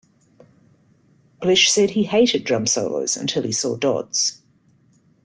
Blesh said he hated drum solos until he saw Dodds.